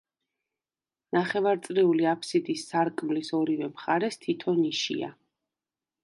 ნახევარწრიული აფსიდის სარკმლის ორივე მხარეს თითო ნიშია.